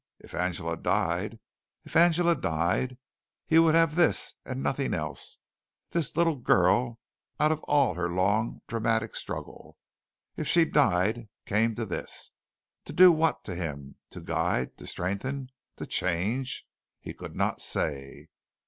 If Angela died if Angela died, he would have this and nothing else, this little girl out of all her long, dramatic struggle. If she died, came this. To do what to him? To guide? To strengthen? To change? He could not say.